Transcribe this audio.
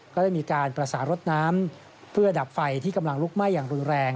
ก็ได้มีการประสานรถน้ำเพื่อดับไฟที่กำลังลุกไหม้อย่างรุนแรง